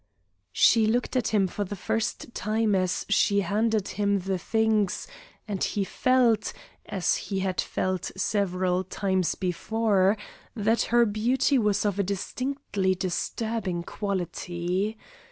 She looked at him for the first time as she handed him the things, and he felt, as he had felt several times before, that her beauty was of a distinctly disturbing quality.